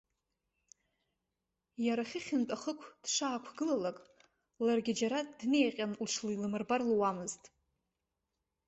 Иара хыхьынтә ахықә дшаақәгылалак, ларгьы џьара дниаҟьан, лҽилмырбар луамызт.